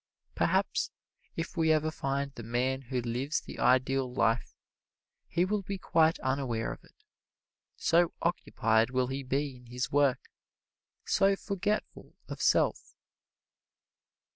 Perhaps if we ever find the man who lives the Ideal Life he will be quite unaware of it, so occupied will he be in his work so forgetful of self.